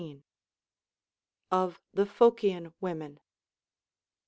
Of the Phocian Women.